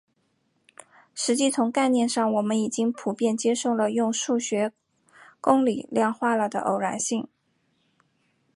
实际从概念上我们已经普遍接受了用数学公理量化了的偶然性。